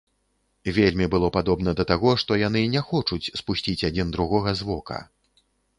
Вельмі было падобна да таго, што яны не хочуць спусціць адзін другога з вока.